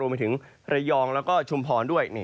ไปถึงระยองแล้วก็ชุมพรด้วย